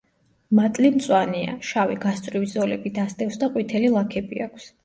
მატლი მწვანეა, შავი გასწვრივი ზოლები დასდევს და ყვითელი ლაქები აქვს.